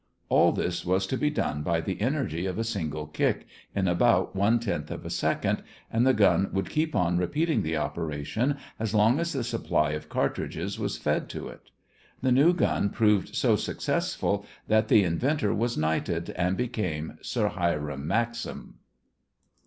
All this was to be done by the energy of a single kick, in about one tenth of a second, and the gun would keep on repeating the operation as long as the supply of cartridges was fed to it. The new gun proved so successful that the inventor was knighted, and became Sir Hiram Maxim.